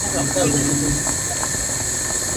তাদেরকে এই পরামর্শ দিয়ে উপকার করতে পারি যে, প্রস্তুতি নাও।